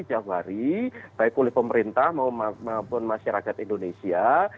jafari baik oleh pemerintah maupun masyarakat indonesia